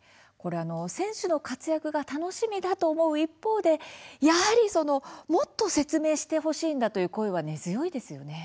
選手の活躍が楽しみだと思う一方で、やはりもっと説明してほしいんだという声は根強いですよね。